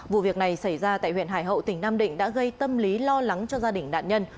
vụ việc này xảy ra tại huyện hải hậu tỉnh nam định đã gây tâm lý lo lắng cho gia đình nạn nhân